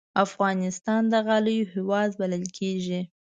افغانستان د غالیو هېواد بلل کېږي.